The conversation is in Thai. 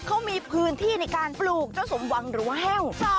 เขามีพื้นที่ในการปลูกเจ้าสมหวังหรือว่าแห้ว